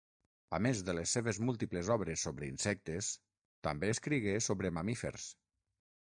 A més de les seves múltiples obres sobre insectes, també escrigué sobre mamífers.